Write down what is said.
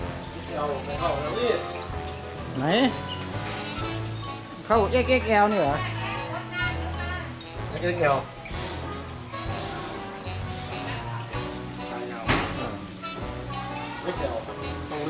ไอ้แยวต้องเลือกต้องเลือกคนตัวใหญ่